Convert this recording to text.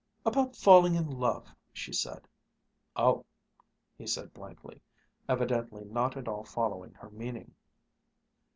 "About falling in love," she said. "Oh!" he said blankly, evidently not at all following her meaning.